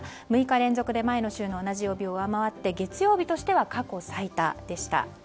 ６日連続で前の週の同じ曜日を上回って月曜日としては過去最多でした。